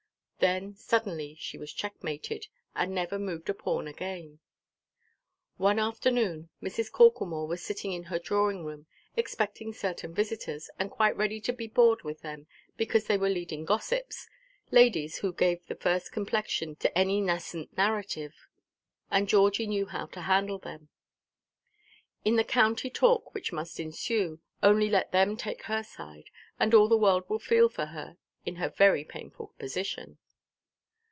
Then suddenly she was checkmated, and never moved a pawn again. One afternoon, Mrs. Corklemore was sitting in her drawing–room, expecting certain visitors, and quite ready to be bored with them, because they were leading gossips—ladies who gave the first complexion to any nascent narrative. And Georgie knew how to handle them. In the county talk which must ensue, only let them take her side, and all the world would feel for her in her very painful position.